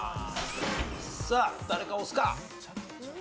さあ誰か押すか？